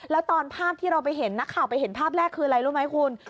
แล้วตอนภาพที่เราไปเห็นนักข่าวไปเห็นภาพแรกคืออะไรรู้ไหมคุณ